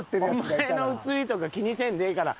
お前の映りとか気にせんでええから。